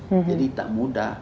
jadi tak mudah